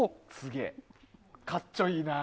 かっちょいいな。